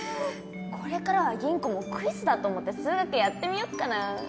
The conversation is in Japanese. これからは吟子もクイズだと思って数学やってみよっかな。